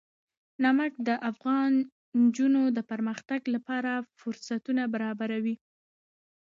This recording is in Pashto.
نمک د افغان نجونو د پرمختګ لپاره فرصتونه برابروي.